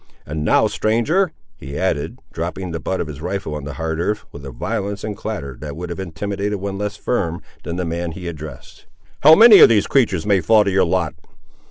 And now, stranger," he added, dropping the butt of his rifle on the hard earth, with a violence and clatter that would have intimidated one less firm than the man he addressed, "how many of these creatures may fall to your lot?"